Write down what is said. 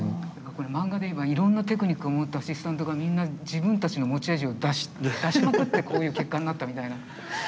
これ漫画で言えばいろんなテクニックを持ったアシスタントがみんな自分たちの持ち味を出しまくってこういう結果になったみたいな。